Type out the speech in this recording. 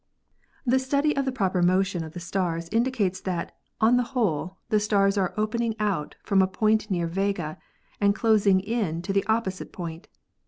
The study of the proper motion of stars indicates that, on the whole, the stars are opening out from a point near Vega and closing in to the opposite point.